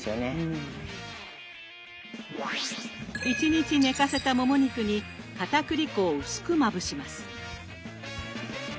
１日寝かせたもも肉にかたくり粉を薄くまぶします。